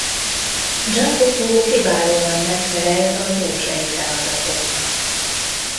Jacopo kiválóan megfelelt a dózsei feladatoknak.